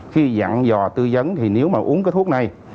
khi dặn dò tư vấn thì nếu mà uống cái thuốc này